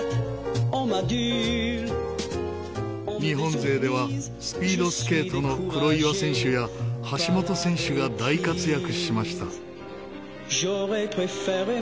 日本勢ではスピードスケートの黒岩選手や橋本選手が大活躍しました。